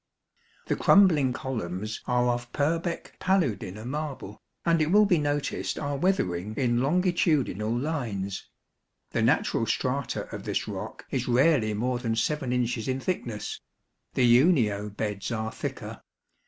The crumbling columns are of Purbeck Paludina marble, and it will be noticed are weathering in longitudinal lines, the natural strata of this rock is rarely more than 7 inches in thickness, the Unio beds are thicker.